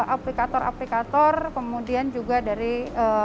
nah kita juga sudah bekerjasama dengan aplikator aplikator kemudian juga dari beberapa perusahaan